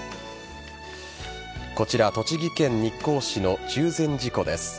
こちら栃木県日光市の中禅寺湖です。